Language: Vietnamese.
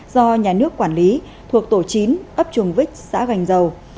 do nhà nước quản lý thuộc tổ chín ấp chuồng vích xã gành dầu